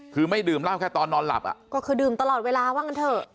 คือไม่ดื่มเหล้าแค่ตอนนอนหลับอ่ะก็คือดื่มตลอดเวลาว่างั้นเถอะ